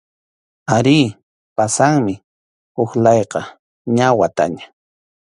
Arí, pasanmi huk layqa, ña wataña.